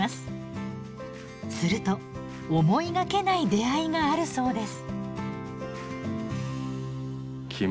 すると思いがけない出会いがあるそうです。